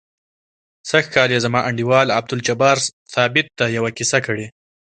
سږ کال یې زما انډیوال عبدالجبار ثابت ته یوه کیسه کړې.